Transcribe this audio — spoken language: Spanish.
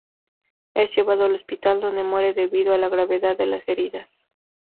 Es llevado al hospital donde muere debido a la gravedad de las heridas.